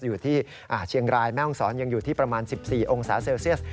อยู่ที่เชียงรายแม่ห้องศรยังอยู่ที่ประมาณ๑๔องศาเซลเซียส